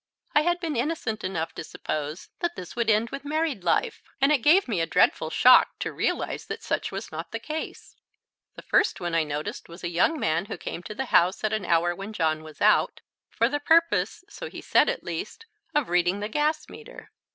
I had been innocent enough to suppose that this would end with married life, and it gave me a dreadful shock to realize that such was not the case. The first one I noticed was a young man who came to the house, at an hour when John was out, for the purpose, so he said at least, of reading the gas meter.